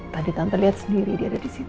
tante lihat sendiri dia ada disitu